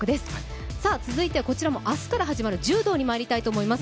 続いて、こちらも明日から始まる柔道にまいりたいと思います。